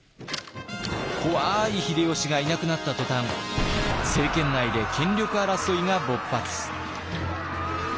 怖い秀吉がいなくなった途端政権内で権力争いが勃発。